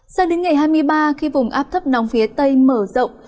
sang đến ngày hai mươi ba khi vùng áp thấp nóng phía tây mở rộng